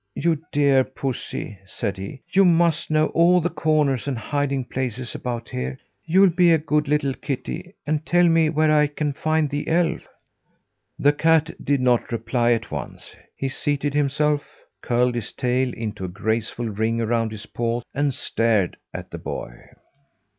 "You dear pussy!" said he, "you must know all the corners and hiding places about here? You'll be a good little kitty and tell me where I can find the elf." The cat did not reply at once. He seated himself, curled his tail into a graceful ring around his paws and stared at the boy.